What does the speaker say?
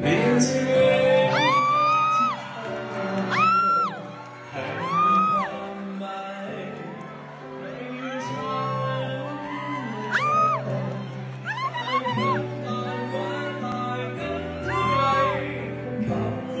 ไม่อยู่ช่วงที่หัวใจมีอะไรอยู่